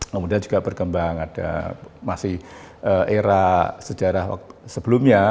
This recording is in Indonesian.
kemudian juga berkembang ada masih era sejarah sebelumnya